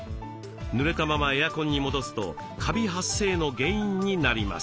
ぬれたままエアコンに戻すとカビ発生の原因になります。